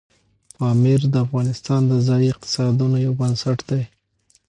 پامیر د افغانستان د ځایي اقتصادونو یو بنسټ دی.